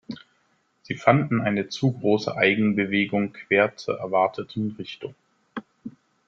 Sie fanden eine zu große Eigenbewegung quer zur erwarteten Richtung.